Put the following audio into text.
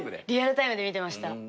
リアルタイムで見てました。